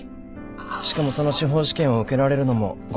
しかもその司法試験を受けられるのも５回だけ。